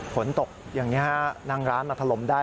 ฝนตกอย่างนี้ฮะนั่งร้านมาถล่มได้